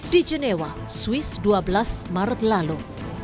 di genewa swiss dua belas maret lalu